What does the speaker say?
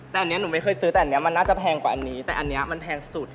แต่อันนี้หนูไม่เคยซื้อแต่อันนี้มันน่าจะแพงกว่าอันนี้แต่อันนี้มันแพงสุด